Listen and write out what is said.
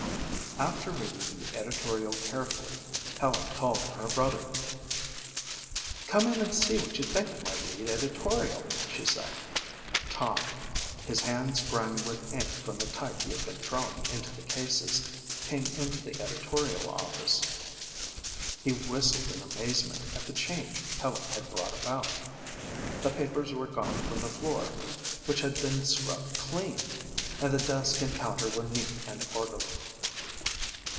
After reading the editorial carefully, Helen called to her brother. "Come in and see what you think of my lead editorial," she said. Tom, his hands grimy with ink from the type he had been throwing into the cases, came into the editorial office. He whistled in amazement at the change Helen had brought about. The papers were gone from the floor, which had been scrubbed clean, and the desk and counter were neat and orderly.